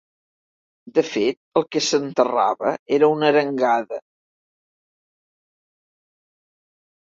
De fet, el que s'enterrava era una arengada.